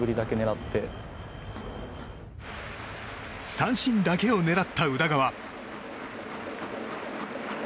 三振だけを狙った宇田川。